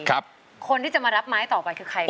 คนที่จะมารับไม้ต่อไปคือใคร